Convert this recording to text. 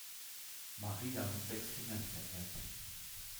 Maria mit sechs Fingern verehrt.